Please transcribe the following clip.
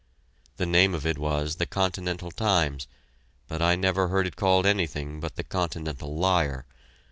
The name of it was "The Continental Times," but I never heard it called anything but "The Continental Liar."